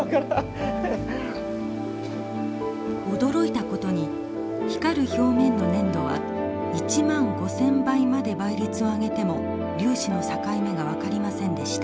驚いたことに光る表面の粘土は１万５，０００倍まで倍率を上げても粒子の境目が分かりませんでした。